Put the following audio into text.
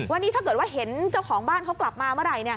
วันนี้ถ้าเกิดว่าเห็นเจ้าของบ้านเขากลับมาเมื่อไหร่